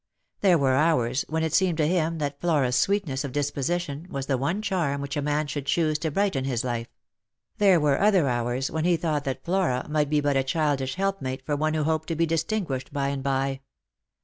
There were hours when it seemed to him that Flora's sweetness of disposition was the one charm which a man should choose to brighten his life ; there were other hours when he thought that Flora might be but a childish helpmate for one who hoped to be distinguished by and by.